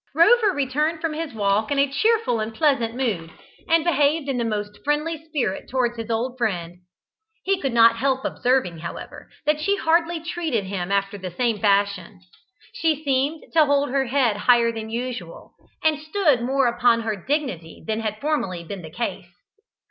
Rover returned from his walk in a cheerful and pleasant mood, and behaved in the most friendly spirit towards his old friend. He could not help observing, however, that she hardly treated him after the same fashion. She seemed to hold her head higher than usual, and stood more upon her dignity than had formerly been the case.